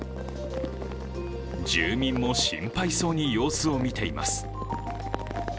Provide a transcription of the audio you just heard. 住民も心配そうに様子を見ています。